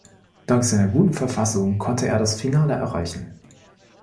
Dank seiner guten Verfassung konnte er das Finale erreichen.